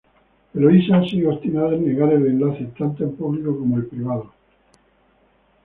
Eloísa sigue obstinada en negar el enlace, tanto en público como el privado.